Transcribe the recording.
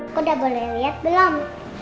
aku udah boleh lihat belum